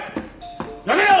やめろ！